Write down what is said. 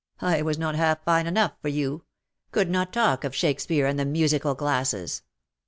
I was not half fine enough for you, could not talk of Shakespeare and the musical glasses.